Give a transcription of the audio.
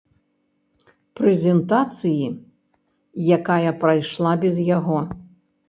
Прэзентацыі, якая прайшла без яго.